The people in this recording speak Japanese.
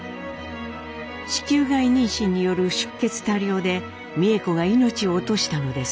子宮外妊娠による出血多量で美枝子が命を落としたのです。